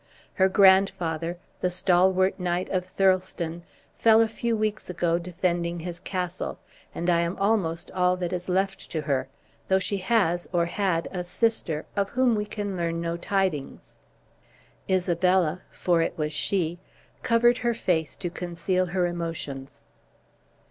Her grandfather, the stalwart knight of Thirlestane, fell a few weeks ago, defending his castle, and I am almost all that is left to her, though she has, or had a sister, of whom we can learn no tidings." Isabella, for it was she, covered her face to conceal her emotions.